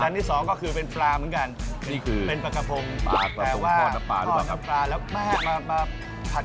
และที่สองก็คือเป็นปลาเหมือนกันเป็นปลากระพงแปลว่าทอมปลาแล้วมาผัดกับลาดสมุนไพร